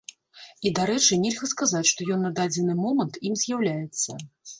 І, дарэчы, нельга сказаць, што ён на дадзены момант ім з'яўляецца.